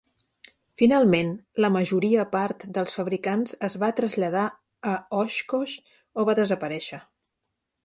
Finalment, la majoria part dels fabricants es va traslladar a Oshkosh o va desaparèixer.